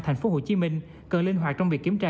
thành phố hồ chí minh cần linh hoạt trong việc kiểm tra